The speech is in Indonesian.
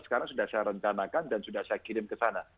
sekarang sudah saya rencanakan dan sudah saya kirim ke sana